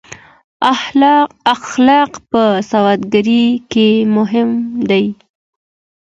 اخلاق په سوداګرۍ کې مهم دي.